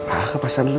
ah kepasan dulu